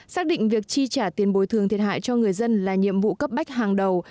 xác định việc chi trả tiền bồi thường thiệt hại cho người dân là nhiệm vụ cấp bách hàng đầu